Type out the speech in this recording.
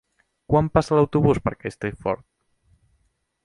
Quan passa l'autobús per Castellfort?